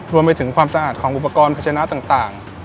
รวมไปถึงความสะอาดของอุปกรณ์พัชนะต่าง